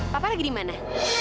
papa lagi dimana